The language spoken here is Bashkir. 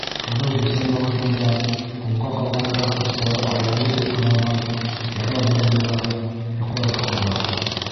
Ҡыҙыу бесән ваҡытында һуңға ҡалған тракторсылар айыулы тип һаналған Яра буйында йоҡларға ҡала.